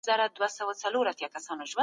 لمر ورو ورو خاته.